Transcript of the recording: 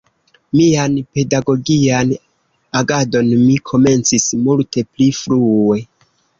Mian pedagogian agadon mi komencis multe pli frue.